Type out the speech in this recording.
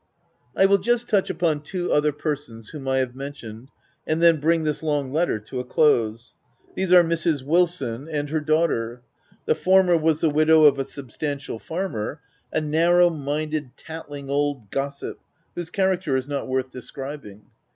I will just touch upon two other persons whom I have mentioned, and then bring this long letter to a close. These are Mrs. Wilson and her daughter. The former was the widow of a substantial farmer, a narrow minded, tatt ling old gossip, whose character is not worth describing.